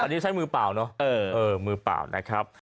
อันนี้ใช้มือเปล่าเนอะมือเปล่านะครับ